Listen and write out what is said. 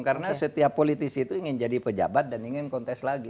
karena setiap politisi itu ingin jadi pejabat dan ingin kontes lagi